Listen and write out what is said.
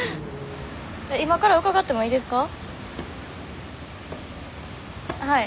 今から伺ってもいいですか？